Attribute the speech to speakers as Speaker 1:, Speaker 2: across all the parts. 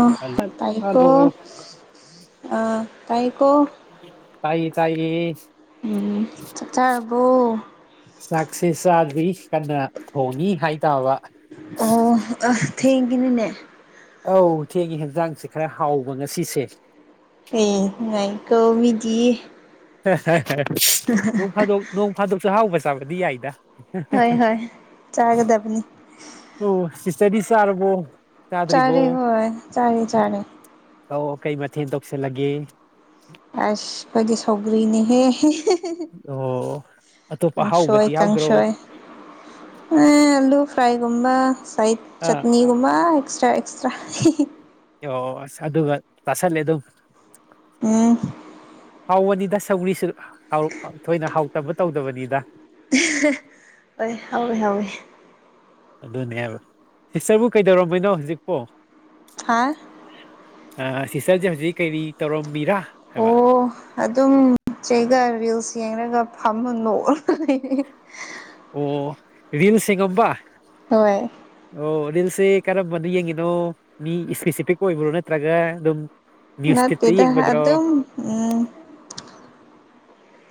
Speaker 1: ꯑ
Speaker 2: ꯍꯜꯂꯣ
Speaker 1: ꯇꯥꯏꯀꯣ
Speaker 2: ꯍꯜꯂꯣ
Speaker 1: ꯑ ꯇꯥꯏꯀꯣ
Speaker 2: ꯇꯥꯏꯌꯦ ꯇꯥꯏꯌꯦ
Speaker 1: ꯎꯝ ꯆꯛꯆꯥꯔꯕꯣ
Speaker 2: ꯆꯥꯛꯁꯦ ꯆꯥꯗ꯭ꯔꯤ ꯀꯟꯅ ꯊꯣꯡꯉꯤ ꯍꯥꯏꯇꯥꯕ
Speaker 1: ꯑꯣ ꯑ ꯊꯦꯡꯒꯤꯅꯤꯅꯦ
Speaker 2: ꯑꯧ ꯊꯦꯡꯉꯤ ꯍꯤꯟꯖꯥꯡꯁꯦ ꯈꯔ ꯍꯥꯎꯕ ꯉꯁꯤꯁꯦ
Speaker 1: ꯑꯦ ꯉꯥꯏꯀꯣ ꯃꯤꯗꯤ
Speaker 2: ꯍꯦꯍꯦꯍꯦ ꯅꯣꯡ ꯐꯥꯗꯣꯛ ꯅꯣꯡ ꯐꯥꯗꯣꯛꯁꯨ ꯑꯍꯥꯎꯕ ꯆꯥꯕꯗꯤ ꯌꯥꯏꯗ
Speaker 1: ꯍꯣꯏ ꯍꯣꯏ ꯆꯥꯒꯗꯕꯅꯤ
Speaker 2: ꯑꯣ ꯁꯤꯁꯇꯗꯤ ꯆꯥꯔꯕꯣ ꯆꯥꯗ꯭ꯔꯤꯕꯣ
Speaker 1: ꯆꯥꯔꯦ ꯍꯣꯏ ꯆꯥꯔꯦ ꯆꯥꯔꯦ
Speaker 2: ꯑꯣ ꯀꯩ ꯃꯊꯦꯜ ꯇꯧꯁꯤꯜꯂꯒꯦ
Speaker 1: ꯑꯁ ꯈꯣꯏꯗꯤ ꯁꯧꯒ꯭ꯔꯤꯅꯦꯍꯦ ꯍꯤꯍꯤ
Speaker 2: ꯑꯣ ꯑꯇꯣꯞꯄ
Speaker 1: ꯀꯥꯡꯁꯣꯏ
Speaker 2: ꯑꯍꯥꯎꯕꯗꯤ ꯌꯥꯎꯗ꯭ꯔꯣ
Speaker 1: ꯀꯥꯡꯁꯣꯏ ꯑ ꯑꯂꯨ ꯐ꯭ꯔꯥꯏꯒꯨꯝꯕ ꯐ꯭ꯔꯥꯏꯠ
Speaker 2: ꯑꯥ
Speaker 1: ꯆꯠꯅꯤꯒꯨꯝꯕ ꯑꯦꯛꯁꯇ꯭ꯔꯥ ꯁ꯭ꯇ꯭ꯔꯥ ꯍꯦꯍꯦ
Speaker 2: ꯌꯣ ꯑꯁ ꯑꯗꯨꯒ ꯇꯥꯁꯂꯦ ꯑꯗꯨꯝ
Speaker 1: ꯎꯝ
Speaker 2: ꯍꯥꯎꯕꯅꯤꯗ ꯁꯧꯒ꯭ꯔꯤꯁꯨ ꯊꯣꯏꯅ ꯍꯥꯎꯇꯕ ꯇꯧꯗꯕꯅꯤꯗ
Speaker 1: ꯑꯍꯦ ꯍꯣꯏ ꯍꯥꯎꯋꯦ ꯍꯥꯎꯋꯦ
Speaker 2: ꯑꯗꯨꯅꯦꯕ ꯁꯤꯁꯇꯔꯕꯨ ꯀꯩꯗꯧꯔꯝꯕꯣꯏꯅꯣ ꯍꯧꯖꯤꯛꯄꯣ
Speaker 1: ꯍꯥ
Speaker 2: ꯑ ꯁꯤꯁꯇꯔꯖꯦ ꯍꯧꯖꯤꯛ ꯀꯔꯤ ꯇꯧꯔꯝꯃꯤꯔꯥ
Speaker 1: ꯑꯣ
Speaker 2: ꯍꯥꯏꯕ
Speaker 1: ꯑꯗꯨꯝ ꯆꯩꯒ ꯔꯤꯜꯁ ꯌꯦꯡꯔꯒ ꯐꯝꯃ ꯅꯣꯛꯑꯒ ꯂꯩ
Speaker 2: ꯑꯣ ꯔꯤꯜꯁ ꯌꯦꯡꯉꯝꯕ
Speaker 1: ꯍꯣꯏ
Speaker 2: ꯑꯣ ꯔꯤꯜꯁꯦ ꯀꯔꯝꯕꯅ ꯌꯦꯡꯉꯤꯅꯣ ꯃꯤ ꯏꯁꯄꯦꯁꯤꯐꯤꯛ ꯑꯣꯏꯕ꯭ꯔꯣ ꯅꯠꯇ꯭ꯔꯒ ꯑꯗꯨꯝ ꯅ꯭ꯌꯨꯁ ꯐꯤꯠꯇ
Speaker 1: ꯅꯠꯇꯦꯗ
Speaker 2: ꯌꯦꯡꯕꯗ꯭ꯔꯣ
Speaker 1: ꯑꯗꯨꯝ ꯑꯝ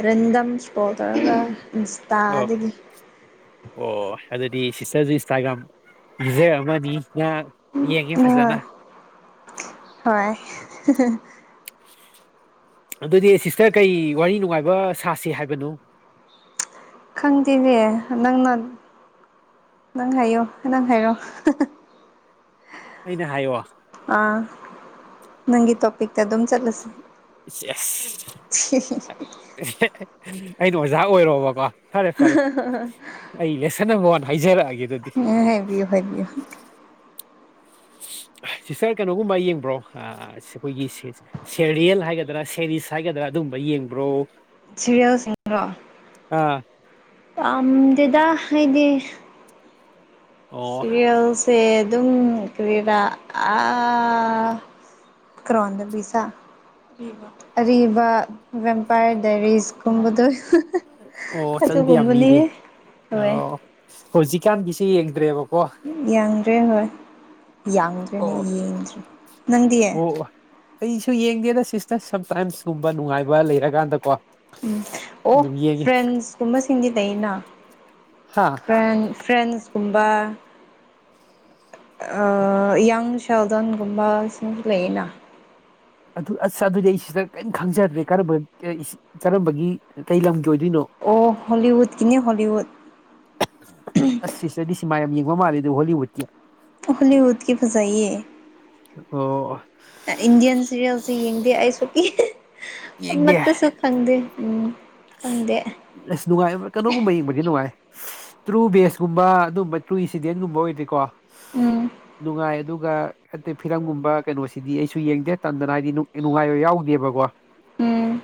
Speaker 1: ꯔꯦꯟꯗꯝꯁ ꯀꯣꯜ ꯇꯧꯔꯒ ꯏꯟꯁꯇꯥꯗꯒꯤ
Speaker 2: [unintelligible] ꯑꯣ ꯑꯗꯨꯗꯤ ꯁꯤꯁꯇꯔꯁꯨ ꯏꯟꯁꯇꯥꯒ꯭ꯔꯥꯝ ꯌꯨꯖꯥꯔ ꯑꯃꯅꯤ ꯉꯥꯡ ꯌꯦꯡꯒꯦ ꯐꯖꯅ
Speaker 1: ꯍꯣꯏ ꯍꯣꯏ
Speaker 2: ꯑꯗꯨꯗꯤ ꯁꯤꯁꯇꯔ ꯀꯩ ꯋꯥꯔꯤ ꯅꯨꯡꯉꯥꯏꯕ ꯁꯥꯁꯤ ꯍꯥꯏꯕꯅꯣ
Speaker 1: ꯈꯪꯗꯦꯍꯦ ꯅꯪꯅ ꯅꯪ ꯍꯥꯏꯌꯣ ꯅꯪ ꯍꯥꯏꯔꯣ ꯍꯍ
Speaker 2: ꯑꯩꯅ ꯍꯥꯏꯌꯣ
Speaker 1: ꯑꯥ ꯅꯪꯒꯤ ꯇꯣꯄꯤꯛ ꯇ ꯑꯗꯨ ꯑꯗꯨꯝ ꯆꯠꯂꯁꯤ
Speaker 2: ꯏ ꯑꯁ ꯑꯩꯅ ꯑꯣꯖꯥ ꯑꯣꯏꯔꯣꯕꯀꯣ ꯐꯔꯦ ꯐꯔꯦ ꯑꯩ ꯂꯦꯁꯟ ꯅꯝꯕꯔ ꯋꯥꯟ ꯍꯥꯏꯖꯔꯛꯑꯒꯦ ꯑꯗꯨꯗꯤ
Speaker 1: ꯎ ꯍꯥꯏꯕꯤꯌꯨ ꯍꯥꯏꯕꯤꯌꯨ
Speaker 2: ꯁꯤꯇꯔ ꯀꯩꯅꯣꯒꯨꯝꯕ ꯌꯦꯡꯕ꯭ꯔꯣ ꯑꯥ ꯑꯁ ꯑꯩꯈꯣꯏꯒꯤ ꯁꯦꯔꯤꯌꯦꯜ ꯍꯥꯏꯒꯗ꯭ꯔꯥ ꯁꯦꯔꯤꯁ ꯍꯥꯏꯒꯗ꯭ꯔꯥ ꯑꯗꯨꯒꯨꯝꯕ ꯌꯦꯡꯕ꯭ꯔꯣ
Speaker 1: ꯁꯦꯔꯦꯜꯁꯤꯡꯔꯣ
Speaker 2: ꯑꯥ
Speaker 1: ꯄꯥꯝꯗꯦꯗ ꯍꯥꯏꯗꯤ
Speaker 2: ꯑꯣ
Speaker 1: ꯔꯤꯜꯁꯦ ꯑꯗꯨꯝ ꯀꯔꯤꯔ ꯑꯥ ꯀ꯭ꯔꯣꯟꯗ ꯕꯤꯖꯥ ꯑꯔꯤꯕ ꯕꯦꯝꯄꯥꯌꯔ ꯗꯥꯏꯔꯤꯁꯀꯨꯝꯕꯗꯣ
Speaker 2: ꯑꯣ ꯆꯠꯂꯗꯤ ꯌꯥꯝ
Speaker 1: ꯑꯗꯨꯒꯨꯝꯕꯅꯤ
Speaker 2: ꯂꯤꯔꯤ
Speaker 1: ꯍꯣꯏ
Speaker 2: ꯑꯣ ꯍꯧꯖꯤꯛꯀꯥꯟꯒꯤꯁꯦ ꯌꯦꯡꯗ꯭ꯔꯦꯕꯀꯣ
Speaker 1: ꯌꯥꯡꯗ꯭ꯔꯦ ꯍꯣꯏ ꯌꯥꯡꯗ꯭ꯔꯦꯅꯦ
Speaker 2: ꯑꯣ
Speaker 1: ꯌꯦꯡꯗ꯭ꯔꯦ ꯅꯪꯗꯤ
Speaker 2: ꯑꯣ ꯑꯣ ꯑꯩꯁꯨ ꯌꯦꯡꯗꯦꯗ ꯁꯤꯁꯇ ꯁꯝꯇꯥꯏꯝꯁꯀꯨꯝꯕ ꯅꯨꯡꯉꯥꯏꯕ ꯂꯩꯔꯀꯥꯟꯗꯀꯣ
Speaker 1: ꯎꯝ ꯑꯣ
Speaker 2: ꯑꯗꯨꯝ ꯌꯦꯡꯉꯤ
Speaker 1: ꯐ꯭ꯔꯦꯟꯁꯀꯨꯝꯕꯁꯤꯡꯗꯤ ꯂꯩꯅ
Speaker 2: ꯍꯥꯥ
Speaker 1: ꯐ꯭ꯔꯦꯟ ꯐ꯭ꯔꯦꯟꯁꯀꯨꯝꯕ ꯑ ꯌꯪ ꯁꯦꯜꯗꯟꯒꯨꯝꯕ ꯁꯤꯡꯁꯨ ꯂꯩꯌꯦꯅ
Speaker 2: ꯑꯗꯨ ꯑꯁ ꯑꯗꯨꯗꯤ ꯑꯩ ꯁꯤꯁꯇ꯭ꯔ ꯀꯔꯤꯝ ꯈꯪꯖꯗ꯭ꯔꯦ ꯀꯔꯝꯕ ꯀꯔꯝꯕꯒꯤ ꯀꯩ ꯂꯝꯒꯤ ꯑꯣꯏꯗꯣꯏꯅꯣ
Speaker 1: ꯑꯣ ꯍꯣꯂꯤꯎꯠ ꯀꯅꯦ ꯍꯣꯂꯤꯎꯠ
Speaker 2: ꯑꯁ ꯁꯤꯁꯠꯔꯗꯤ ꯁꯤ ꯃ ꯌꯥꯝ ꯌꯦꯡꯕ ꯃꯥꯜꯂꯤꯗ ꯍꯣꯂꯤꯕꯎꯠꯀꯤ
Speaker 1: ꯍꯣꯂꯤꯎꯠꯀꯤ ꯐꯖꯩꯌꯦ
Speaker 2: ꯑꯣ
Speaker 1: ꯏꯟꯗꯤꯌꯥꯟ ꯁꯤꯔꯦꯜꯁꯁꯦ ꯌꯦꯡꯗꯦ ꯑꯩꯁꯨ ꯏ
Speaker 2: ꯌꯦꯡꯗꯦ
Speaker 1: ꯑꯃꯇꯥꯁꯨ ꯈꯪꯗꯦ ꯎꯝ ꯈꯪꯗꯦ
Speaker 2: ꯑꯁ ꯅꯨꯡꯉꯥꯏ ꯀꯩꯅꯣꯒꯨꯝꯕ ꯌꯦꯡꯕꯗꯤ ꯅꯨꯡꯉꯥꯏ ꯇ꯭ꯔꯨ ꯕꯦꯁꯀꯨꯝꯕ ꯑꯗꯨꯝꯕ ꯇ꯭ꯔꯨ ꯏꯟꯁꯤꯗꯦꯟꯒꯨꯝꯕ ꯑꯣꯏꯗꯤꯀꯣ
Speaker 1: ꯎꯝ
Speaker 2: ꯅꯨꯡꯉꯥꯏ ꯑꯗꯨꯝ ꯑꯗꯨꯒ ꯑꯇꯩ ꯐꯤꯂꯝꯒꯨꯝꯕ ꯀꯩꯅꯣꯁꯤꯗꯤ ꯑꯩꯁꯨ ꯌꯦꯡꯗꯦ ꯇꯟꯗꯅ ꯍꯥꯏꯗꯤ ꯅꯨꯡꯉꯥꯏꯕ ꯌꯥꯎꯗꯦꯕꯀꯣ
Speaker 1: ꯎꯝ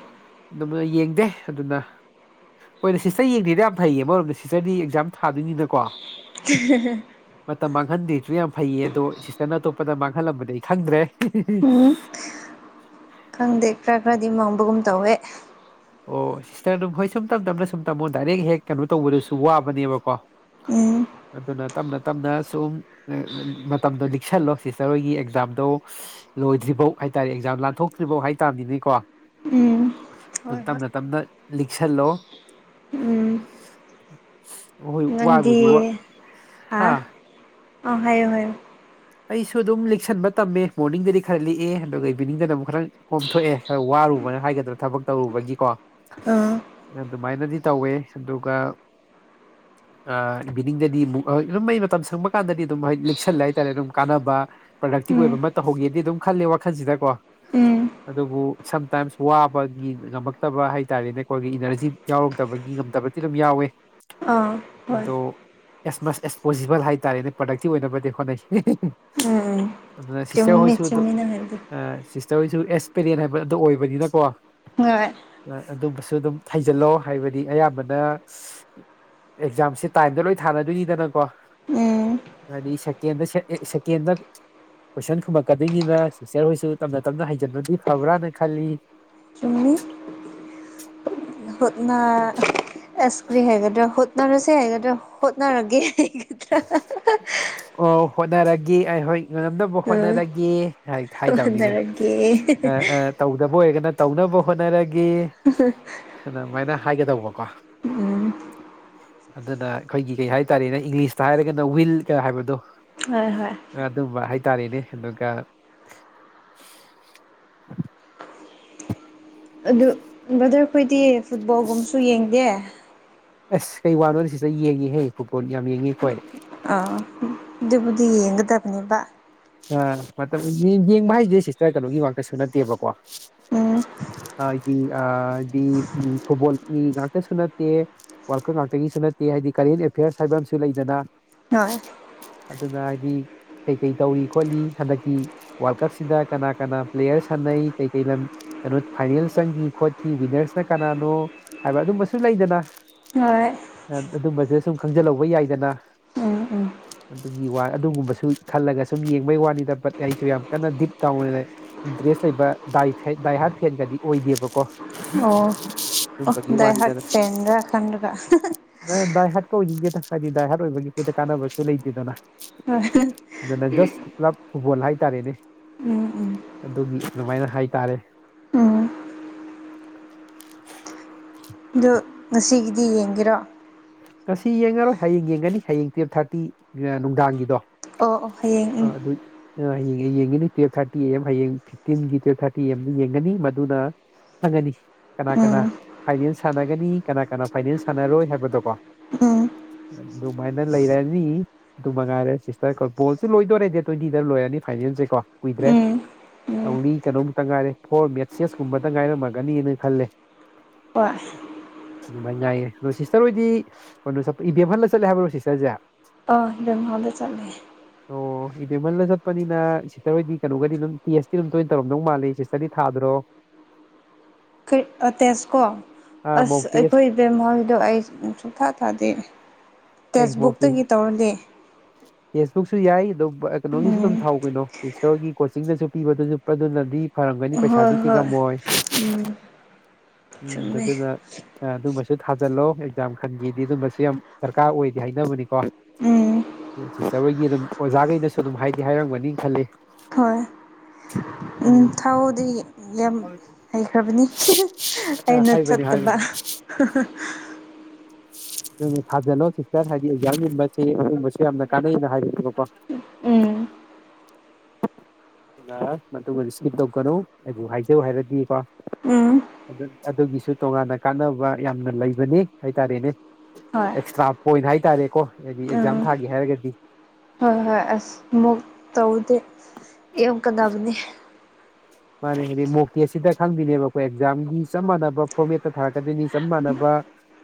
Speaker 2: ꯑꯗꯨꯝꯕ ꯌꯦꯡꯗꯦ ꯑꯗꯨꯅ ꯍꯣꯏꯅꯦ ꯁꯤꯁꯇꯔ ꯌꯦꯡꯗ꯭ꯔꯤꯗꯣ ꯌꯥꯝ ꯐꯩꯌꯦ ꯑꯃꯔꯣꯝꯗ ꯁꯤꯁꯇꯔꯗꯤ ꯑꯦꯛꯖꯥꯝ ꯊꯥꯗꯣꯏꯅꯤꯅꯀꯣ
Speaker 1: [unintelligible]
Speaker 2: ꯃꯇꯝ ꯃꯥꯡꯍꯟꯗ꯭ꯔꯤꯁꯨ ꯌꯥꯝ ꯐꯩꯌꯦ ꯑꯗꯣ ꯁꯤꯁꯇꯔꯅ ꯑꯇꯣꯞꯄꯗ ꯃꯥꯡꯍꯜꯂꯝꯕꯗꯤ ꯑꯩ ꯈꯪꯗ꯭ꯔꯦ
Speaker 1: ꯎꯝ ꯈꯪꯗꯦ ꯈꯔ ꯈꯔꯗꯤ ꯃꯥꯡꯕꯒꯨꯝ ꯇꯧꯋꯦ
Speaker 2: ꯑꯣ ꯁꯤꯁꯇꯔ ꯑꯗꯨꯝ ꯍꯣꯏ ꯁꯨꯝ ꯇꯞ ꯇꯞꯅ ꯁꯨꯝ ꯇꯝꯃꯣ ꯗꯥꯏꯔꯦꯛ ꯍꯦꯛ ꯀꯩꯅꯣ ꯇꯧꯕꯗꯨꯁꯨ ꯋꯥꯕꯅꯦꯕꯀꯣ
Speaker 1: ꯎꯝ
Speaker 2: ꯑꯗꯨꯅ ꯇꯞꯅ ꯇꯞꯅ ꯁꯨꯝ ꯃꯇꯝꯗꯣ ꯂꯤꯛꯁꯜꯂꯣ ꯁꯤꯁꯇꯔ ꯍꯣꯏꯒꯤ ꯑꯦꯛꯖꯥꯝꯗꯣ ꯂꯣꯏꯗ꯭ꯔꯤꯐꯥꯎ ꯍꯥꯏꯇꯥꯔꯦ ꯑꯦꯛꯖꯥꯝ ꯂꯥꯟꯊꯣꯛꯇ꯭ꯔꯤꯐꯥꯎ ꯍꯥꯏ ꯇꯥꯃꯤꯅꯦꯀꯣ
Speaker 1: ꯎꯝ ꯍꯣꯏ
Speaker 2: ꯑꯗꯨꯝ
Speaker 1: ꯍꯣꯏ
Speaker 2: ꯇꯞꯅ ꯇꯞꯅ ꯂꯤꯛꯁꯜꯂꯣ
Speaker 1: ꯎꯝ
Speaker 2: ꯍꯣꯏ ꯋꯥꯕꯨꯗꯤ ꯋꯥ
Speaker 1: ꯅꯪꯗꯤ
Speaker 2: ꯍꯥ
Speaker 1: ꯑ ꯍꯥꯏꯌꯣ ꯍꯥꯏꯌꯨ
Speaker 2: ꯑꯩꯁꯨ ꯑꯗꯨꯝ ꯂꯤꯛꯁꯟꯕ ꯇꯝꯃꯦ ꯃꯣꯔꯅꯤꯡꯗꯗꯤ ꯈꯔ ꯂꯤꯛꯑꯦ ꯑꯗꯨꯒ ꯏꯚꯤꯅꯤꯡꯗꯅ ꯑꯃꯨꯛ ꯈꯔ ꯀꯣꯝꯊꯣꯛꯑꯦ ꯈꯔ ꯋꯥꯔꯨꯕꯅ ꯍꯥꯏꯒꯗ꯭ꯔꯥ ꯊꯕꯛ ꯇꯧꯔꯨꯕꯒꯤꯀꯣ
Speaker 1: ꯑꯥ
Speaker 2: ꯑꯗꯨꯃꯥꯏꯅꯗꯤ ꯇꯧꯋꯦ ꯑꯗꯨꯒ ꯃꯤꯅꯤꯡꯗꯗꯤ ꯑꯃꯨꯛ ꯑꯗꯨꯝ ꯃꯩ ꯃꯇꯝ ꯁꯪꯕ ꯀꯥꯟꯗꯗꯤ ꯑꯗꯨꯝ ꯂꯤꯛꯁꯜꯂꯦ ꯍꯥꯏꯇꯥꯔꯦ ꯑꯗꯨꯝ ꯀꯥꯟꯅꯕ ꯄ꯭ꯔꯗꯛꯇꯤꯕ
Speaker 1: ꯎꯝ
Speaker 2: ꯑꯣꯏꯕ ꯑꯃ ꯇꯧꯍꯧꯒꯦꯗꯤ ꯑꯗꯨꯝ ꯈꯜꯂꯦ ꯋꯥꯈꯜꯁꯤꯗ ꯀꯣ
Speaker 1: ꯎꯝ
Speaker 2: ꯑꯗꯨꯕꯨ ꯁꯝꯇꯥꯏꯝꯁ ꯋꯥꯕꯒꯤ ꯉꯝꯃꯛꯇꯕ ꯍꯥꯏ ꯇꯔꯦꯅꯦ ꯑꯩꯈꯣꯏꯒꯤ ꯏꯅꯔꯖꯤ ꯌꯥꯎꯔꯛꯇꯕꯒꯤ ꯉꯝꯗꯕꯗꯤ ꯑꯗꯨꯝ ꯌꯥꯎꯋꯦ
Speaker 1: ꯑꯥ ꯍꯣꯏ
Speaker 2: ꯑꯗꯣ ꯑꯦꯁ ꯃꯁ ꯑꯦꯁ ꯄꯣꯖꯤꯕꯜ ꯍꯥꯏ ꯇꯥꯔꯦꯅꯦ ꯄ꯭ꯔꯗꯛꯇꯤ ꯑꯣꯏꯅꯕꯗꯤ ꯍꯣꯠꯅꯩ
Speaker 1: ꯎꯝ ꯎꯝ
Speaker 2: ꯑꯗꯨꯅ ꯁꯤꯁꯇꯔ
Speaker 1: ꯆꯨꯝꯃꯤ
Speaker 2: ꯍꯣꯏꯁꯨ ꯑꯗꯨꯝ
Speaker 1: ꯆꯨꯝꯃꯤ ꯅꯪ ꯍꯥꯏꯕꯗꯣ
Speaker 2: ꯁꯨ ꯑꯦꯁꯄꯤꯔꯦꯟ ꯍꯥꯏꯕ ꯑꯗꯨ ꯑꯣꯏꯕꯅꯤꯅꯀꯣ
Speaker 1: ꯍꯣꯏ
Speaker 2: ꯑꯗꯨꯝꯕꯁꯨ ꯑꯗꯨꯝ ꯊꯩꯖꯜꯂꯣ ꯍꯥꯏꯕꯗꯤ ꯑꯌꯥꯝꯕꯅ ꯑꯦꯛꯖꯥꯝꯁꯦ ꯇꯥꯏꯝꯗ ꯂꯣꯏ ꯊꯥꯅꯗꯣꯏꯅꯤꯗꯅꯀꯣ
Speaker 1: ꯎꯝ
Speaker 2: ꯍꯥꯏꯗꯤ ꯁꯦꯀꯦꯟꯗ ꯁꯦꯀꯦꯟꯗ ꯀꯣꯏꯁꯟ ꯈꯨꯝꯃꯛꯀꯗꯣꯏꯅꯤꯅ ꯁꯤꯁꯇꯔ ꯍꯣꯏꯁꯨ ꯇꯞꯅ ꯇꯞꯅ ꯍꯩꯖꯟꯕꯗꯤ ꯐꯕ꯭ꯔꯥꯅ ꯈꯜꯂꯤ
Speaker 1: ꯆꯨꯝꯃꯤ ꯍꯣꯠꯅ ꯑꯁ ꯀ꯭ꯔꯤ ꯍꯥꯏꯒꯗ꯭ꯔꯥ ꯍꯨꯠꯅꯔꯁꯦ ꯍꯥꯏꯒꯗ꯭ꯔꯥ ꯍꯣꯠꯅꯔꯒꯦ [inaudible]
Speaker 2: ꯑꯣ ꯍꯣꯠꯅꯔꯒꯦ ꯑꯩ ꯍꯣꯏ ꯉꯝꯅꯕ
Speaker 1: ꯎꯝ
Speaker 2: ꯍꯣꯠꯅꯔꯒꯦ ꯍꯥꯏꯇꯕꯅꯤꯅꯦ
Speaker 1: ꯍꯣꯠꯅꯔꯒꯦ
Speaker 2: ꯇꯧꯗꯕ ꯑꯣꯏꯔꯒꯅ ꯇꯧꯅꯕ ꯍꯣꯠꯅꯔꯒꯦ
Speaker 1: ꯎꯝ [inaudible]
Speaker 2: ꯑꯗꯨꯃꯥꯏꯅ ꯍꯥꯏꯒꯗꯧꯕꯀꯣ ꯑꯗꯨꯅ ꯑꯩꯈꯣꯏꯒꯤ ꯀꯩ ꯍꯥꯏ ꯇꯥꯔꯦꯅꯦ ꯏꯪꯂꯤꯁꯇ ꯍꯥꯏꯔꯒꯅ ꯋꯤꯜ ꯀ ꯍꯥꯏꯕꯗꯣ
Speaker 1: ꯍꯣꯏ ꯍꯣꯏ
Speaker 2: ꯑꯗꯨꯝꯕ ꯍꯥꯏꯇꯥꯔꯦꯅꯦ ꯑꯗꯨꯒ
Speaker 1: ꯑꯗꯨ ꯕ꯭ꯔꯗꯔ ꯈꯣꯏꯗꯤ ꯐꯨꯠꯕꯣꯜꯒꯨꯝꯕꯁꯨ ꯌꯦꯡꯗꯦ
Speaker 2: ꯑꯁ ꯀꯩ ꯋꯥꯅꯣ ꯁꯤꯗ ꯌꯦꯡꯉꯤꯍꯦ ꯐꯨꯠꯕꯣꯜ ꯌꯥꯝ ꯌꯦꯡꯉꯤ ꯑꯩꯈꯣꯏ
Speaker 1: ꯑꯤ ꯑꯗꯨꯕꯨꯗꯤ ꯌꯦꯡꯒꯗꯕꯅꯦꯕ
Speaker 2: ꯑ ꯃꯇꯝ ꯌꯦꯡꯕ ꯍꯥꯏꯁꯤ ꯁꯤꯁꯇꯔ ꯀꯩꯅꯣꯒꯤ ꯉꯥꯛꯇꯁꯨ ꯅꯠꯇꯦꯕꯀꯣ
Speaker 1: ꯎꯝ
Speaker 2: ꯑꯥ ꯐꯨꯠꯕꯣꯟꯒꯤ ꯉꯥꯛꯇꯁꯨ ꯅꯠꯇꯦ ꯋꯥꯜ ꯀꯥꯞ ꯉꯥꯛꯇꯒꯤꯁꯨ ꯅꯠꯇꯦ ꯍꯥꯏꯗꯤ ꯀꯔꯦꯟ ꯑꯦꯐꯤꯌꯔꯁ ꯍꯥꯏꯕ ꯑꯃꯁꯨ ꯂꯩꯗꯅ
Speaker 1: ꯍꯣꯏ
Speaker 2: ꯑꯗꯨꯅ ꯍꯥꯏꯗꯤ ꯀꯩꯀꯩ ꯇꯧꯔꯤ ꯈꯣꯠꯂꯤ ꯍꯟꯗꯛꯀꯤ ꯋꯥꯔꯜ ꯀꯞꯁꯤꯗ ꯀꯅꯥ ꯀꯅꯥ ꯄ꯭ꯂꯦꯌꯔ ꯁꯥꯟꯅꯩ ꯀꯩ ꯀꯩ ꯂꯝ ꯀꯩꯅꯣ ꯐꯥꯏꯅꯦꯜ ꯆꯪꯈꯤ ꯈꯣꯠꯈꯤ ꯋꯤꯟꯅꯔꯁꯅ ꯀꯅꯥꯅꯣ ꯍꯥꯏꯕ ꯑꯗꯨꯝꯕꯁꯨ ꯂꯩꯗꯅ
Speaker 1: ꯍꯣꯏ
Speaker 2: ꯑꯗꯨꯝꯕꯁꯨ ꯁꯨꯝ ꯈꯪꯖꯤꯜꯍꯧꯕ ꯌꯥꯏꯗꯅ
Speaker 1: ꯎꯝ ꯎꯝ
Speaker 2: ꯑꯗꯨꯒꯤ ꯋꯥ ꯑꯗꯨꯒꯨꯝꯕꯁꯨ ꯈꯜꯂꯒ ꯁꯨꯝ ꯌꯦꯡꯕꯒꯤ ꯋꯥꯅꯤꯗ ꯕꯠ ꯑꯩꯁꯨ ꯌꯥꯝ ꯀꯟꯅ ꯗꯤꯞ ꯇꯥꯎ ꯏꯟꯇꯔꯦꯁ ꯂꯩꯕ ꯗꯥꯏ ꯍꯥꯠ ꯐꯦꯟꯒꯗꯤ ꯑꯣꯏꯗꯦꯕꯀꯣ
Speaker 1: ꯑꯣ
Speaker 2: ꯑꯗꯨꯝꯕꯒꯤ
Speaker 1: ꯗꯥꯢ
Speaker 2: ꯋꯥꯅꯤꯗ
Speaker 1: ꯍꯥꯠ ꯐꯦꯟꯒ ꯈꯟꯕꯗ
Speaker 2: ꯗꯥꯏ ꯍꯥꯠ ꯀ ꯑꯣꯏꯅꯤꯡꯗꯦꯗ ꯍꯥꯏꯗꯤ ꯗꯥꯏ ꯍꯥꯔꯠ ꯑꯣꯏꯕꯒꯤꯁꯤꯗ ꯀꯥꯟꯅꯕꯁꯨ ꯂꯩꯇꯦꯗꯅ
Speaker 1: ꯍꯣꯢ
Speaker 2: ꯥꯂꯞ ꯐꯨꯠꯕꯣꯜ ꯍꯥꯏꯇꯥꯔꯦꯅꯦ
Speaker 1: ꯎꯝ
Speaker 2: ꯑꯗꯨꯒꯤ ꯑꯗꯨꯃꯥꯏꯅ ꯍꯥꯏꯇꯥꯔꯦ
Speaker 1: ꯎꯝ ꯑꯗꯨ ꯉꯁꯤꯒꯤꯗꯤ ꯌꯦꯡꯒꯦꯔꯣ
Speaker 2: ꯉꯁꯤ ꯌꯦꯡꯉꯔꯣꯏ ꯍꯌꯦꯡ ꯌꯦꯡꯒꯅꯤ ꯍꯌꯦꯡ ꯇꯨꯌꯦꯜꯞ ꯊꯥꯔꯇꯤ ꯅꯨꯡꯗꯥꯡꯒꯤꯗꯣ
Speaker 1: ꯑꯣ ꯑꯣ
Speaker 2: ꯑꯥ
Speaker 1: ꯍꯌꯦꯡ
Speaker 2: ꯑꯗꯨ ꯑ ꯍꯥꯌꯦꯡ ꯌꯦꯡꯒꯅꯤ ꯇꯨꯋꯜꯞ ꯊꯥꯔꯇꯤ ꯑꯦꯝ ꯍꯌꯦꯡ ꯐꯤꯞꯇꯤꯟꯒꯤ ꯇꯨꯋꯜꯞ ꯊꯥꯔꯇꯤ ꯑꯦꯝ ꯌꯦꯡꯒꯅꯤ ꯃꯗꯨꯅ ꯈꯪꯉꯅꯤ ꯀꯅꯥ ꯀꯅꯥ
Speaker 1: ꯎꯝ
Speaker 2: ꯐꯥꯏꯅꯦꯟꯁ ꯁꯥꯟꯅꯒꯅꯤ ꯀꯅꯥ ꯀꯅꯥ ꯐꯥꯏꯅꯦꯟꯁ ꯁꯥꯟꯅꯔꯣꯏ ꯍꯥꯏꯕꯗꯣ
Speaker 1: ꯎꯝ
Speaker 2: ꯑꯗꯨꯃꯥꯏꯅ ꯂꯩꯔꯅꯤ ꯑꯗꯨ ꯃꯉꯥꯏꯔꯦ ꯁꯤꯁꯇꯔ ꯕꯣꯜꯁꯨ ꯂꯣꯏꯗꯣꯏꯣꯔꯦ ꯗꯦ ꯇ꯭ꯋꯦꯟꯇꯤꯗ ꯂꯣꯏꯔꯅꯤ ꯐꯥꯏꯅꯦꯜꯁꯦ ꯀꯣ
Speaker 1: ꯎꯝ
Speaker 2: ꯀꯨꯏꯗ꯭ꯔꯦ
Speaker 1: ꯎꯝ ꯎꯝ
Speaker 2: ꯂꯤ ꯀꯩꯅꯣꯝꯇ ꯉꯥꯏꯔꯦ ꯐꯣꯔ ꯃꯦꯠꯁꯦꯁ ꯀꯨꯝꯕꯇ ꯉꯥꯏꯔꯝꯃꯒꯅꯤꯅ ꯈꯜꯂꯦ
Speaker 1: ꯄꯁ
Speaker 2: ꯅꯨꯡꯉꯥꯏ ꯉꯥꯏꯌꯦ ꯑꯗꯣ ꯁꯤꯁꯇꯔ ꯍꯣꯏꯗꯤ ꯀꯩꯅꯣ ꯏꯕꯦꯝ ꯍꯜꯂ ꯆꯠꯂꯦ ꯍꯥꯏꯕ꯭ꯔꯣ ꯁꯤꯁꯇꯔꯁꯦ
Speaker 1: ꯑꯗꯦꯝ ꯃꯣꯂꯦ ꯆꯠꯂꯦ
Speaker 2: ꯑꯣ ꯏꯕꯦꯝꯃꯜꯗ ꯆꯠꯄꯅꯤꯅ ꯁꯤꯁꯇꯔ ꯍꯣꯏꯗꯤ ꯀꯩꯅꯣꯒꯗꯤ ꯑꯗꯨꯝ ꯇꯦꯁ ꯇꯤ ꯑꯗꯨꯝ ꯇꯣꯏꯅ ꯇꯧꯔꯝꯗꯧ ꯃꯥꯜꯂꯤ ꯍꯥꯟꯗꯥꯛꯇꯤ ꯊꯥꯗ꯭ꯔꯣ
Speaker 1: ꯀꯔꯤ ꯇꯦꯖ ꯀꯣ
Speaker 2: ꯑꯥ ꯃꯣꯛ
Speaker 1: ꯑꯁ
Speaker 2: ꯇꯦꯁ
Speaker 1: ꯑꯩꯈꯣꯏ ꯏꯕꯦꯝꯍꯥꯜꯒꯤꯗꯣ ꯑꯩ ꯁꯨꯡꯊꯥ ꯊꯥꯗꯦ
Speaker 2: ꯑꯦ
Speaker 1: ꯇꯦꯛꯁꯕꯨꯛꯇꯒꯤ
Speaker 2: ꯃꯣꯛꯇꯦꯁ
Speaker 1: ꯇꯧꯔꯗꯤ
Speaker 2: ꯇꯦꯛꯁꯕꯨꯛꯁꯨ ꯌꯥꯏ ꯑꯗꯨ ꯀꯩꯅꯣꯒꯤꯁꯨ ꯑꯗꯨꯝ
Speaker 1: ꯎꯝ
Speaker 2: ꯊꯥꯎ ꯀꯩꯅꯣ ꯁꯤꯁꯇꯥꯔ ꯈꯣꯢꯒꯤ ꯀꯣꯆꯤꯡꯗꯁꯨ ꯄꯤꯕꯗꯨꯁꯨ ꯑꯗꯨꯅꯗꯤ ꯐꯔꯝꯒꯅꯤ
Speaker 1: ꯍꯣꯏ
Speaker 2: ꯄꯩꯁꯥꯁꯨ
Speaker 1: ꯍꯣꯏ
Speaker 2: ꯇꯤꯡꯉꯝꯃꯣꯏ
Speaker 1: ꯎꯝ
Speaker 2: ꯎꯝ
Speaker 1: ꯆꯨꯝꯃꯦ
Speaker 2: ꯑꯗꯨꯅ ꯑꯗꯨꯝꯕꯁꯨ ꯊꯥꯖꯥꯜꯂꯣ ꯑꯦꯛꯖꯥꯝ ꯈꯟꯒꯤꯗꯤ ꯑꯗꯨꯝꯕꯁꯨ ꯌꯥꯝ ꯗꯔꯀꯥꯔ ꯑꯣꯏꯗꯤ ꯍꯥꯏꯅꯕꯅꯤꯀꯣ
Speaker 1: ꯎꯝ
Speaker 2: ꯆꯔ ꯍꯣꯏꯗꯤ ꯑꯗꯨꯝ ꯑꯣꯖꯥꯈꯩꯅꯁꯨ ꯑꯗꯨꯝ ꯍꯥꯏꯗꯤ ꯍꯥꯏꯔꯝꯒꯅꯤ ꯈꯜꯂꯤ
Speaker 1: ꯍꯣꯏ ꯎꯝ ꯊꯥꯎꯗꯤ ꯌꯥꯝ ꯍꯩꯈ꯭ꯔꯕꯅꯤ
Speaker 2: ꯑ
Speaker 1: ꯑꯩꯅ
Speaker 2: ꯍꯥꯏꯕꯅꯤ
Speaker 1: ꯆꯠꯇꯕ
Speaker 2: ꯍꯥꯏꯕꯅꯤ ꯑꯗꯨ ꯊꯥꯖꯜꯂꯣ ꯁꯤꯁꯇꯔ ꯍꯥꯏꯗꯤ ꯑꯦꯛꯖꯥꯝ ꯌꯨꯝꯕꯁꯦ ꯑꯗꯨꯒꯨꯝꯝꯕꯁꯨ ꯌꯥꯝꯅ ꯀꯥꯟꯅꯩꯅ ꯍꯥꯏꯕꯕꯀꯣ
Speaker 1: ꯎꯝ
Speaker 2: ꯃꯇꯨꯡꯗ ꯏꯁꯀꯤꯞ ꯇꯧꯒꯅꯨ ꯑꯩꯕꯨ ꯍꯥꯏꯖꯧ ꯍꯥꯏꯔꯗꯤꯀꯣ
Speaker 1: ꯎꯝ
Speaker 2: ꯑꯗꯨ ꯑꯗꯨꯒꯤꯁꯨ ꯇꯣꯉꯥꯟꯅ ꯀꯥꯟꯅꯕ ꯌꯥꯝꯅ ꯂꯩꯕꯅꯤ ꯍꯥꯏꯇꯥꯔꯦꯅꯦ
Speaker 1: ꯍꯣꯏ
Speaker 2: ꯑꯦꯛꯁꯇ꯭ꯔꯥ ꯄꯣꯏꯟ ꯍꯥꯏꯇꯥꯔꯦꯀꯣ ꯍꯥꯏꯗꯤ ꯑꯦꯛꯖꯥꯝ
Speaker 1: ꯎꯝ
Speaker 2: ꯊꯥꯒꯦ ꯍꯥꯏꯔꯒꯗꯤ
Speaker 1: ꯍꯣꯏ ꯍꯣꯏ ꯃꯨ ꯇꯧꯗ ꯏ ꯀꯗꯥꯕꯅꯤ
Speaker 2: ꯃꯥꯅꯦ ꯍꯥꯏꯗꯤ ꯃꯣꯛꯇꯦ ꯁꯤꯗ ꯈꯪꯗꯣꯏꯅꯦꯕ ꯑꯩꯈꯣꯏ ꯑꯦꯛꯖꯥꯝꯒꯤ ꯆꯞ ꯃꯥꯟꯅꯕ ꯐꯣꯔꯃꯦꯠꯇ ꯊꯥꯔꯛꯀꯗꯣꯏꯅꯤ ꯆꯞ ꯃꯥꯟꯅꯕ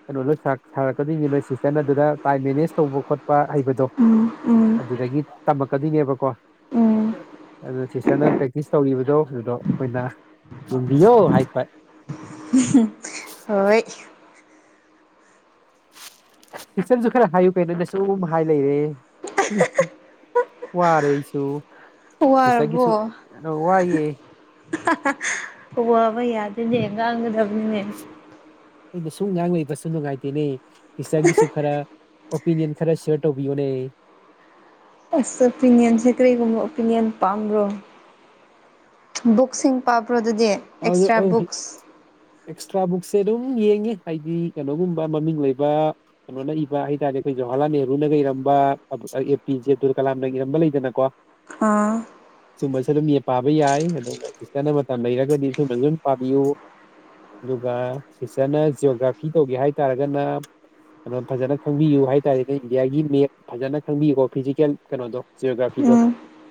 Speaker 2: ꯀꯩꯅꯣ ꯂꯣꯏ ꯁꯥꯔꯛꯀꯗꯣꯏꯅꯤ ꯅꯣꯏ ꯁꯤꯁꯇꯟ ꯑꯗꯨꯗ ꯇꯥꯏꯝ ꯃꯦꯅꯦꯖ ꯇꯧꯕ ꯈꯣꯠꯄ ꯍꯩꯕꯗꯣ
Speaker 1: ꯎꯝ ꯎꯝ
Speaker 2: ꯑꯗꯨꯗꯒꯤ ꯇꯝꯂꯀꯗꯣꯏꯅꯦꯕꯀꯣ
Speaker 1: ꯎꯝ
Speaker 2: ꯑꯗꯨ ꯁꯤꯁꯇꯔꯅ ꯄ꯭ꯔꯦꯛꯇꯤꯁ ꯇꯧꯔꯤꯕꯗꯣ ꯑꯗꯨꯗꯣꯈꯣꯏꯅ ꯌꯦꯡꯕꯤꯌꯣ ꯍꯥꯏꯕ
Speaker 1: [unintelligible] ꯍꯣꯏ
Speaker 2: ꯄꯤꯛꯆꯟꯁꯨ ꯈꯔ ꯍꯥꯏꯌꯨ ꯀꯩꯅꯣꯅꯦ ꯁꯨꯝ ꯍꯥꯏ ꯂꯩꯔꯦ ꯋꯥꯔꯦꯁꯨ
Speaker 1: ꯋꯥꯔꯕꯣ
Speaker 2: ꯁꯤꯁꯒꯤꯁꯨ ꯋꯥꯏꯌꯦ
Speaker 1: ꯋꯥꯕ ꯌꯥꯗꯣꯏꯅꯦ ꯉꯥꯡꯒꯗꯕꯅꯤꯅꯦ
Speaker 2: ꯑꯩꯅ ꯁꯨꯡ ꯉꯥꯡꯂꯕꯁꯨ ꯅꯨꯡꯉꯥꯏꯇꯦꯅꯦ ꯏꯁꯇꯔꯒꯤꯁꯨ ꯈꯔ ꯑꯣꯄꯤꯅꯤꯌꯟ ꯈꯔ ꯁꯤꯦꯌꯔ ꯇꯧꯕꯤꯌꯣꯅꯦ
Speaker 1: ꯑꯁ ꯑꯣꯄꯤꯅꯤꯌꯟꯁꯦ ꯀꯔꯤꯒꯨꯝꯕ ꯑꯣꯄꯤꯅꯤꯌꯟ ꯄꯥꯝꯕ꯭ꯔꯣ ꯕꯨꯛꯁꯤꯡ ꯄꯥꯕ꯭ꯔꯣ ꯑꯗꯨꯗꯤ ꯑꯦꯛꯁꯇ꯭ꯔꯥ
Speaker 2: ꯍ
Speaker 1: ꯕꯨꯛꯁ
Speaker 2: ꯑꯦꯛꯁꯇ꯭ꯔꯥ ꯕꯨꯛꯁꯦ ꯑꯗꯨꯝ ꯌꯦꯡꯉꯤ ꯍꯥꯏꯗꯤ ꯀꯩꯅꯣꯒꯨꯝꯕ ꯃꯃꯤꯡ ꯂꯩꯕ ꯀꯩꯅꯣꯅ ꯏꯕ ꯍꯥꯏꯇꯥꯥꯔꯦ ꯑꯩꯈꯣꯏ ꯖꯋꯥꯍꯔꯂꯥꯜ ꯅꯦꯍꯔꯨꯅꯒ ꯏꯔꯝꯕ ꯑꯦ ꯄꯤ ꯖꯦ ꯑꯕꯗꯨꯜ ꯀꯂꯥꯝꯅ ꯏꯔꯝꯕ ꯂꯩꯗꯅꯀꯣ
Speaker 1: ꯑꯥ
Speaker 2: ꯁꯨꯝꯕꯁꯨ ꯑꯗꯨꯝ ꯄꯥꯕ ꯌꯥꯏ ꯑꯗꯨꯒ ꯁꯤꯁꯇꯔꯅ ꯃꯇꯝ ꯂꯩꯔꯒꯗꯤ ꯁꯨꯝꯕꯁꯨ ꯑꯗꯨꯝ ꯄꯥꯕꯤꯌꯨ ꯑꯗꯨꯒ ꯁꯤꯇꯔꯅ ꯖꯤꯑꯣꯒ꯭ꯔꯥꯐꯤ ꯇꯧꯒꯦ ꯍꯥꯏꯇꯥꯔꯒꯅ ꯀ ꯐꯖꯅ ꯈꯪꯕꯤꯌꯨ ꯍꯥꯏꯇꯥꯔꯅꯦ ꯏꯟꯗꯤꯌꯥꯒꯤ ꯃꯦꯠ ꯐꯖꯅ ꯈꯪꯕꯤꯌꯦꯀꯣ ꯐꯤꯖꯤꯀꯦꯜ ꯀꯩꯅꯣꯗꯣ ꯖꯤꯑꯣꯒ꯭ꯔꯥꯐꯤꯗꯣ
Speaker 1: ꯎꯝ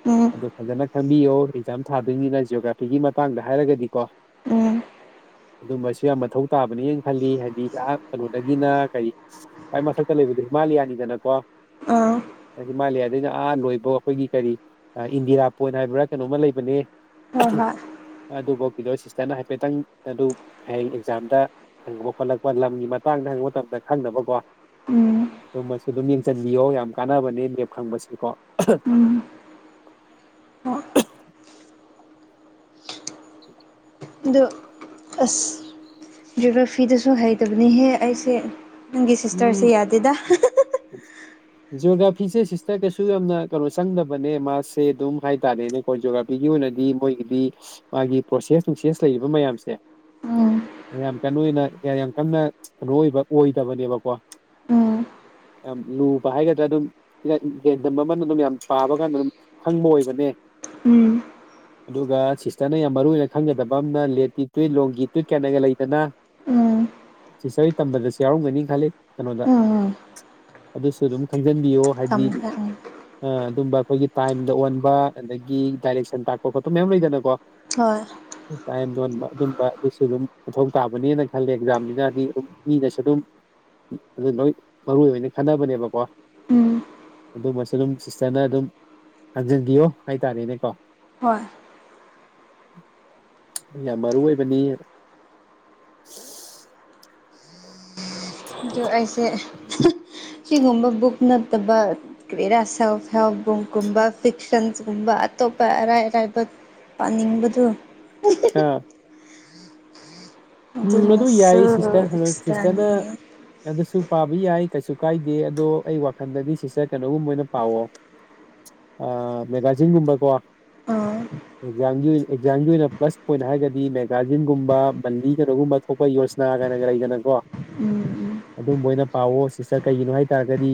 Speaker 1: ꯎꯝ
Speaker 2: ꯑꯗꯣ ꯐꯖꯅ ꯈꯪꯕꯤꯌꯣ ꯑꯦꯛꯖꯥꯝ ꯊꯥꯗꯣꯏꯅꯤꯅ ꯖꯤꯑꯣꯒ꯭ꯔꯥꯐꯤꯒꯤ ꯃꯇꯥꯡꯗ ꯍꯥꯏꯔꯒꯗꯤꯀꯣ
Speaker 1: ꯎꯝ
Speaker 2: ꯑꯗꯨꯝꯕꯁꯨ ꯌꯥꯝ ꯃꯊꯧ ꯇꯥꯕꯅꯦꯅ ꯈꯜꯂꯤ ꯍꯥꯏꯗꯤ ꯀꯩꯅꯣꯗꯒꯤꯅ ꯀꯔꯤ ꯑꯩꯥꯏ ꯃꯊꯛꯇ ꯂꯩꯕꯗꯨ ꯃꯥꯜꯂꯤ ꯌꯥꯅꯤꯗꯅꯀꯣ
Speaker 1: ꯑꯥ
Speaker 2: ꯍꯤꯃꯥꯂꯌꯥꯗꯩꯅ ꯑꯥ ꯂꯣꯏꯕ ꯑꯩꯈꯣꯏꯒꯤ ꯀꯔꯤ ꯏꯟꯗꯤꯔꯥ ꯄꯣꯏꯟ ꯍꯥꯏꯕ꯭ꯔꯥ ꯀꯩꯅꯣꯝꯃ ꯂꯩꯕꯅꯦ
Speaker 1: ꯍꯣꯏ ꯍꯣꯏ
Speaker 2: ꯑꯗꯨꯕꯨ ꯀꯗꯣ ꯁꯤꯁꯇꯔꯅ ꯍꯥꯏꯐꯦꯠꯇꯪ ꯑꯗꯨ ꯍꯌꯦꯡ ꯑꯦꯛꯖꯥꯝꯗ ꯍꯪꯕ ꯈꯣꯠꯂꯛꯄ ꯂꯝꯒꯤ ꯃꯇꯥꯡꯗ ꯍꯪꯕ ꯃꯇꯝꯗ ꯈꯪꯅꯕꯀꯣ
Speaker 1: ꯎꯝ
Speaker 2: ꯑꯗꯨ ꯃꯁꯤꯁꯨ ꯑꯗꯨꯝ ꯌꯦꯡꯁꯤꯟꯕꯤꯌꯣ ꯌꯥꯝ ꯀꯥꯟꯅꯕꯅꯦ ꯂꯦꯞ ꯐꯪꯕꯁꯤꯀꯣ
Speaker 1: ꯍꯣꯏ
Speaker 2: ꯎ
Speaker 1: ꯑꯗꯣ ꯑꯁ ꯖꯒꯥ ꯐꯤꯗꯁꯨ ꯍꯩꯇꯕꯅꯤꯍꯦ ꯑꯩꯁꯦ ꯅꯪꯒꯤ
Speaker 2: ꯎꯝ
Speaker 1: ꯁꯤꯁꯇꯔꯁꯦ ꯌꯥꯗꯦꯗ
Speaker 2: ꯖꯤꯑꯣꯒ꯭ꯔꯥꯐꯤꯁꯦ ꯁꯤꯁꯇ ꯀꯩꯁꯨ ꯌꯥꯝꯅ ꯀꯩꯅꯣ ꯆꯪꯗꯕꯅꯦ ꯃꯥꯁꯦ ꯑꯗꯨꯝ ꯍꯥꯏꯇꯥꯔꯦꯅꯦ ꯀꯣꯔꯣꯖꯤꯣꯒ꯭ꯔꯥꯐꯤꯒꯤ ꯑꯣꯏꯅꯗꯤ ꯃꯣꯏꯒꯤꯗꯤ ꯃꯥꯒꯤ ꯄ꯭ꯔꯣꯁꯦꯁ ꯅꯨꯡꯁꯦꯁ ꯂꯩꯔꯤꯕ ꯃꯌꯥꯝꯁꯦ
Speaker 1: ꯎꯝ
Speaker 2: ꯌꯥꯝ ꯀꯩꯅꯣ ꯑꯣꯏꯅ ꯌꯥꯝ ꯀꯟꯅ ꯀꯩꯅꯣ ꯑꯣꯏꯕ ꯑꯣꯏꯗꯕꯅꯦꯕꯀꯣ
Speaker 1: ꯎꯝ
Speaker 2: ꯌꯥꯝ ꯂꯨꯕ ꯍꯥꯏꯒꯗ꯭ꯔꯥ ꯑꯗꯨꯝ ꯌꯦꯟꯗꯝ ꯑꯃꯅ ꯑꯗꯨꯝ ꯌꯥꯝ ꯆꯥꯕ ꯀꯥꯟꯗ ꯑꯗꯨꯝ ꯈꯪꯕ ꯑꯣꯏꯕꯅꯦ
Speaker 1: [unintelligible]
Speaker 2: ꯑꯗꯨꯒ ꯁꯤꯁꯇꯔꯅ ꯌꯥꯝ ꯃꯔꯨꯏꯅ ꯈꯪꯒꯗꯕ ꯑꯃꯅ ꯂꯦꯠꯀꯤ ꯇꯨꯋꯠ ꯂꯣꯡꯒꯤ ꯇꯨꯏꯠ ꯀꯥꯏꯅꯒ ꯂꯩꯗꯅ ꯁꯤꯁꯔꯤ ꯇꯝꯕꯗꯁꯨ ꯌꯥꯎꯔꯝꯒꯅꯤ ꯈꯜꯂꯤ ꯀꯩꯅꯣꯗ
Speaker 1: ꯎꯝ
Speaker 2: ꯑꯗꯨꯁꯨ ꯑꯗꯨꯝ ꯈꯪꯖꯤꯟꯕꯤꯌꯣ ꯍꯥꯏꯗꯤ
Speaker 1: ꯊꯝꯈ꯭ꯔꯦ ꯎꯝ
Speaker 2: ꯑ ꯑꯗꯨꯝꯕ ꯑꯩꯈꯣꯏꯒꯤ ꯇꯥꯏꯝꯗ ꯑꯣꯟꯕ ꯑꯗꯒꯤ ꯗꯥꯏꯔꯦꯛꯁꯟ ꯇꯥꯛꯄ ꯈꯣꯠꯄ ꯃꯌꯥꯝ ꯂꯩꯗꯅꯀꯣ
Speaker 1: ꯍꯣꯏ
Speaker 2: ꯇꯥꯏꯝ ꯌꯣꯟꯕ ꯑꯗꯨꯝꯕ ꯑꯗꯨꯁꯨ ꯑꯗꯨꯝ ꯃꯊꯧ ꯇꯥꯕꯅꯦꯅ ꯈꯜꯂꯦ ꯑꯦꯛꯖꯥꯝꯅꯤꯅꯗꯤ ꯑꯗꯨꯝ ꯃꯤꯅꯁꯨ ꯑꯗꯨꯝ ꯑꯗꯨ ꯂꯣꯏ ꯃꯔꯨ ꯑꯣꯏꯅ ꯈꯟꯅꯕꯅꯦꯕꯀꯣ
Speaker 1: ꯎꯝ
Speaker 2: ꯑꯗꯨꯃꯁꯨ ꯑꯗꯨꯝ ꯁꯤꯁꯇꯔꯅ ꯑꯗꯨꯝ ꯍꯟꯖꯤꯟꯕꯤꯌꯣ ꯍꯥꯏꯇꯥꯔꯦꯅꯦꯀꯣ
Speaker 1: ꯍꯣꯏ
Speaker 2: ꯌꯥꯝ ꯃꯔꯨ ꯑꯣꯏꯕꯅꯤ
Speaker 1: ꯑꯗꯨ ꯑꯩꯁꯦ ꯁꯤꯒꯨꯝꯕ ꯕꯨꯛ ꯅꯠꯇꯕ ꯀꯔ ꯁꯒꯨꯝꯕ ꯐꯤꯛꯁꯟꯒꯨꯝꯕ ꯑꯇꯣꯞꯄꯔꯕ ꯄꯥꯅꯤꯡꯕꯗꯨꯣ
Speaker 2: ꯑ ꯎꯝ ꯑꯗꯨ
Speaker 1: ꯑꯗꯨꯅꯁꯨ
Speaker 2: ꯌꯥꯏ ꯁꯤꯁꯇꯔ ꯑꯣ ꯁꯤꯁꯇꯔꯅ
Speaker 1: ꯑꯦꯛꯁꯇ꯭ꯔꯥꯅꯤ ꯑꯥ
Speaker 2: ꯑꯗꯨꯁꯨ ꯄꯥꯕ ꯌꯥꯏ ꯀꯩꯁꯨ ꯀꯥꯏꯗꯦ ꯑꯗꯣ ꯑꯩ ꯋꯥꯈꯜꯗꯗꯤ ꯁꯤꯁꯇꯔ ꯀꯩꯅꯣꯒꯨꯝꯕ ꯑꯣꯏꯅ ꯄꯥꯑꯣ ꯑ ꯃꯦꯒꯥꯖꯖꯤꯟꯒꯨꯝꯕꯒꯋꯥ
Speaker 1: ꯎꯝ
Speaker 2: ꯑꯦꯛꯖꯥꯝꯒꯤ ꯑꯣꯏꯅ ꯑꯦꯛꯖꯥꯝꯒꯤ ꯑꯣꯏꯅ ꯄ꯭ꯂꯁ ꯄꯣꯏꯟꯠ ꯍꯥꯏꯔꯒꯗꯤ ꯃꯦꯒꯥꯖꯤꯟꯒꯨꯝꯕ ꯃꯂꯤ ꯀꯩꯅꯣꯒꯨꯝꯕ ꯊꯣꯛꯄ ꯌꯣꯖꯅꯥ ꯀꯥꯏꯅꯒ ꯂꯩꯗꯅꯀꯣ
Speaker 1: ꯎꯝ
Speaker 2: ꯑꯗꯨꯝꯕꯣꯏꯅ ꯄꯥꯋ ꯁꯤꯁꯇꯔ ꯀꯩꯒꯤꯅꯣ ꯍꯥꯏꯇꯥꯔꯒꯗꯤ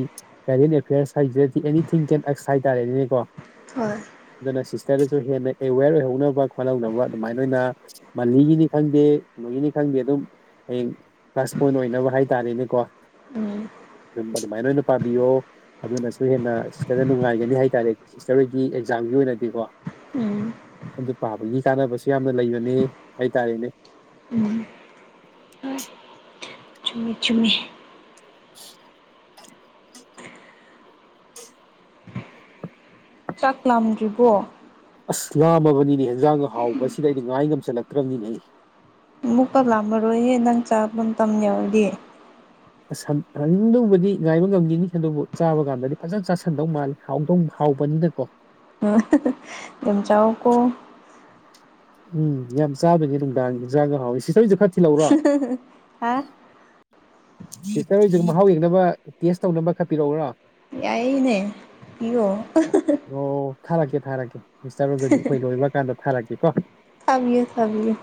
Speaker 2: ꯀꯦꯔꯦꯟ ꯑꯦꯐꯤꯌꯔꯁ ꯍꯥꯏꯁꯤꯗꯤ ꯑꯦꯅꯤꯊꯤꯡ ꯀꯦꯟ ꯑꯦꯛꯁ ꯍꯥꯏꯇꯥꯔꯦ ꯑꯗꯨꯅꯦꯀꯣ
Speaker 1: ꯍꯣꯏ
Speaker 2: ꯑꯗꯨꯅ ꯁꯤꯁꯇꯔꯗꯁꯨ ꯍꯦꯟꯅ ꯑꯦꯋꯦꯔ ꯑꯣꯏꯍꯧꯅꯕ ꯈꯣꯠꯍꯧꯅꯕ ꯑꯗꯨꯃꯥꯏꯅ ꯑꯣꯏꯅ ꯃꯥꯜꯂꯤꯒꯤꯅꯤ ꯈꯪꯗꯦ ꯀꯩꯅꯣꯒꯤꯅꯤ ꯈꯪꯗꯦ ꯑꯗꯨꯝ ꯍꯌꯦꯡ ꯀ꯭ꯂ꯭ꯂꯥꯁ ꯄꯣꯏꯟ ꯑꯣꯏꯅꯕ ꯍꯥꯏꯇꯥꯔꯦꯅꯦꯀꯣ
Speaker 1: ꯎꯝ
Speaker 2: ꯑꯗꯨ ꯑꯗꯨꯃꯥꯏꯅ ꯑꯣꯏꯅ ꯄꯥꯕꯤꯌꯣ ꯑꯗꯨꯅꯁꯨ ꯍꯦꯟꯅ ꯏꯁꯇꯔꯗ ꯅꯨꯡꯉꯥꯏꯒꯅꯤ ꯍꯥꯏꯇꯥꯔꯦ ꯏꯁꯇꯔ ꯍꯣꯏꯒꯤ ꯑꯦꯛꯖꯥꯝꯒꯤ ꯑꯣꯏꯅꯗꯤꯀꯣ
Speaker 1: ꯎꯝ
Speaker 2: ꯑꯗꯨ ꯄꯥꯕꯒꯤ ꯀꯥꯟꯅꯕꯁꯨ ꯌꯥꯝꯅ ꯂꯩꯕꯅꯦ ꯍꯥꯏꯇꯥꯔꯦꯅꯦ [unintelligible]
Speaker 1: ꯆꯨꯝꯃꯦ ꯆꯨꯝꯃꯦ
Speaker 2: [unintelligible]
Speaker 1: ꯆꯥꯛꯂꯝꯗ꯭ꯔꯤꯕꯣ
Speaker 2: ꯑꯁ ꯂꯥꯝꯃꯕꯅꯤꯅꯦ ꯍꯦꯟꯖꯥꯡꯒ ꯍꯥꯎꯕꯁꯤꯗ ꯑꯩꯗꯤ ꯉꯥꯏ ꯉꯝꯁꯤꯜꯂꯛꯇ꯭ꯔꯕꯅꯤꯅꯦ ꯑꯩ
Speaker 1: ꯑꯃꯨꯛꯀ ꯂꯥꯝꯃꯔꯣꯏꯍꯦ ꯅꯪ ꯆꯥꯕ ꯇꯥꯝ ꯌꯧꯔꯗꯤ
Speaker 2: ꯍꯥꯟꯅꯤꯡꯗꯨꯕꯨꯗꯤ ꯉꯥꯏꯕ ꯉꯝꯒꯤꯅꯤ ꯑꯗꯨꯕꯨ ꯆꯥꯕ ꯀꯥꯟꯗꯗꯤ ꯐꯖꯅ ꯆꯥꯥꯁꯟꯗꯧ ꯃꯥꯜꯂꯦ ꯍꯥꯎꯗꯣꯡ ꯍꯥꯎꯕꯅꯤꯗꯀꯣ
Speaker 1: ꯎꯝ ꯌꯝꯆꯥꯎ ꯀꯣ
Speaker 2: ꯎꯝ ꯌꯥꯝ ꯆꯥꯗꯣꯏꯅꯤ ꯅꯨꯡꯗꯥꯡꯒꯤ ꯍꯤꯟꯖꯡ ꯍꯥꯎꯋꯤ ꯁꯤꯁꯇꯔ ꯍꯣꯏꯁꯨ ꯈꯔꯥ
Speaker 1: ꯍꯥ
Speaker 2: ꯁꯤꯁꯠꯔ ꯍꯣꯏꯁꯨ ꯃꯍꯥꯎ ꯌꯦꯡꯅꯕ ꯇꯦꯁ ꯇꯧꯅꯕ ꯈꯠꯄꯤꯔꯛꯎꯔꯣ
Speaker 1: ꯌꯥꯏꯌꯦꯅꯦ ꯞꯤꯌꯣ
Speaker 2: ꯑꯣ ꯊꯥꯔꯛꯀꯦ ꯊꯥꯔꯛꯀꯦ ꯃꯤꯁꯇꯔ ꯑꯗꯨꯗꯤ ꯑꯩꯈꯣꯏ ꯂꯣꯏꯕ ꯀꯥꯟꯗ ꯊꯥꯔꯛꯀꯦꯀꯣ
Speaker 1: ꯊꯕꯤꯌꯨ ꯊꯕꯤꯌꯨ